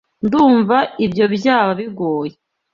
Ndumva ibyo byaba bigoye.